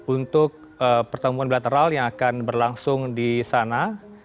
untuk pertemuan bilateral yang akan berlangsung di sana